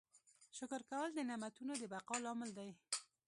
شکر کول د نعمتونو د بقا لامل دی.